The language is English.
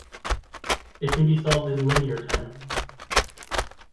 It can be solved in linear time.